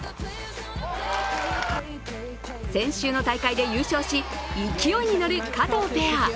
先週の大会で優勝し、勢いに乗る加藤ペア。